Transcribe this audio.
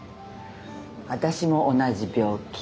私も同じ病気。